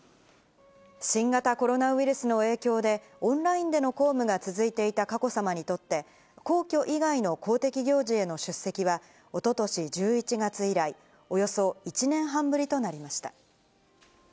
新型コロナウイルスの影響で、オンラインでの公務が続いていた佳子さまにとって、皇居以外の公的行事への出席は、おととし１１月以来、およそ１年半ぶりとなりました。